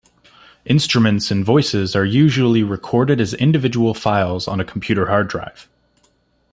Instruments and voices are usually recorded as individual files on a computer hard drive.